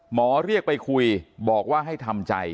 หมอเรียกไปคุยบอกว่าให้ทำใจ